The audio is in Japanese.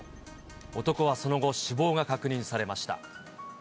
男はその後、死亡が確認されました。